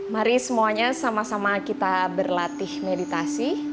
mari semuanya sama sama kita berlatih meditasi